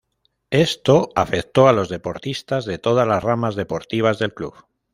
Esto afectó a los deportistas de todas las ramas deportivas del club.